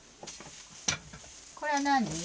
これは何？